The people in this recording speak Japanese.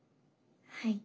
はい。